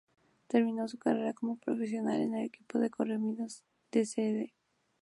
Terminó su carrera como profesional en el equipo de Correcaminos de Cd.